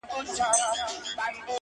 په سیوري پسي پل اخلي رازونه تښتوي-